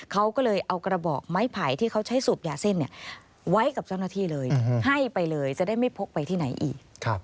เขาก็เลยเอากระบอกไม้ไผ่ที่เขาใช้สูบยาเส้นไว้กับเจ้าหน้าที่เลยให้ไปเลยจะได้ไม่พกไปที่ไหนอีก